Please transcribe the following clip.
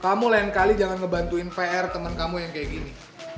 kamu lain kali jangan ngebantuin pr temen kamu yang kayak gini